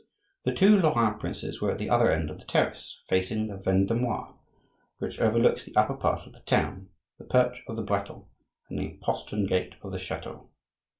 The two Lorrain princes were at the other end of the terrace, facing the Vendomois, which overlooks the upper part of the town, the perch of the Bretons, and the postern gate of the chateau.